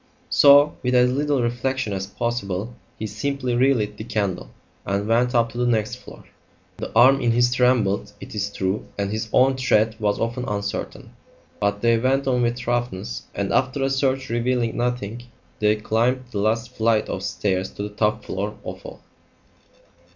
So, with as little reflection as possible, he simply relit the candle and went up to the next floor. The arm in his trembled, it is true, and his own tread was often uncertain, but they went on with thoroughness, and after a search revealing nothing they climbed the last flight of stairs to the top floor of all.